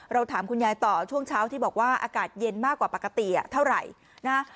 ถามคุณยายต่อช่วงเช้าที่บอกว่าอากาศเย็นมากกว่าปกติเท่าไหร่นะ